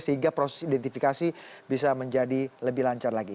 sehingga proses identifikasi bisa menjadi lebih lancar lagi